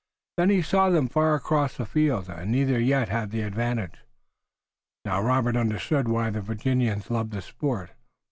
Then he saw them far across the field, and neither yet had the advantage. Now, Robert understood why the Virginians loved the sport.